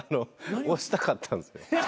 押したかったんです。